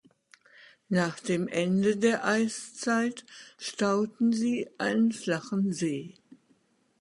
Nach dem Ende der Eiszeit stauten sie einen flachen See.